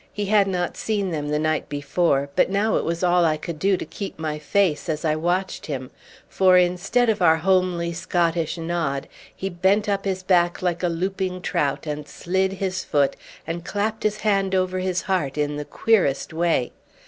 He had not seen them the night before, but now it was all I could do to keep my face as I watched him; for instead of our homely Scottish nod, he bent up his back like a louping trout, and slid his foot, and clapped his hand over his heart in the queerest way.